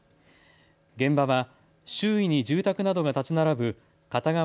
現場は周囲に住宅などが建ち並ぶ片側